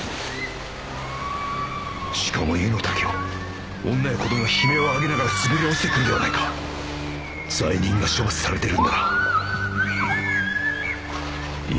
しかも湯の滝を女や子供が悲鳴を上げながら滑り落ちてくるではないか罪人が処罰されているんだいや